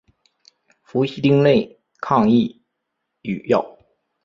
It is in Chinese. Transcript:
氟西汀类抗抑郁药。